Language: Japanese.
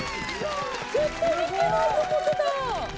絶対できてないと思ってた。